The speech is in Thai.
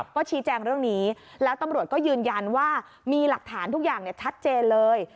ก็ชี้แจงเรื่องนี้แล้วตำรวจก็ยืนยันว่ามีหลักฐานทุกอย่างชัดเจนเลย